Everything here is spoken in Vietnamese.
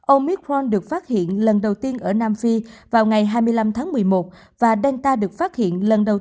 omicron được phát hiện lần đầu tiên ở nam phi vào ngày hai mươi năm tháng một mươi một và delta được phát hiện lần đầu